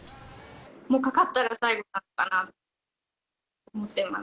もうかかったら最後だなと思っています。